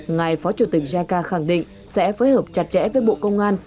ngài phó chủ tịch jica khẳng định sẽ phối hợp chặt chẽ với bộ công an